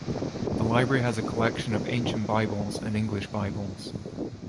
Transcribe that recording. The library has a collection of ancient Bibles and English Bibles.